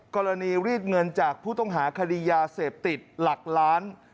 กรณีรีดเงินจากผู้ต้องหาคดียาเสพติดหลักล้าน